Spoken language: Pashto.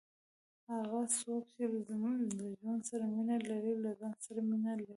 هغه څوک، چي له ژوند سره مینه لري، له ځان سره مینه لري.